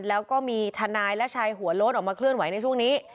แล้วก็มีทนายและชายหัวโล้นออกมาเคลื่อนไหวในช่วงนี้